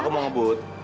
aku mau ngebut